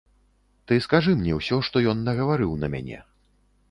Ты скажы мне ўсё, што ён нагаварыў на мяне.